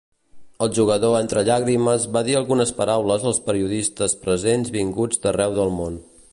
El jugador entre llàgrimes va dir algunes paraules als periodistes presents vinguts d'arreu del món.